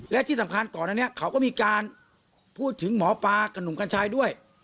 และที่สำคัญก่อนอันนี้เขาก็มีการพูดถึงหมอปลากับหนุ่มกัญชัยด้วย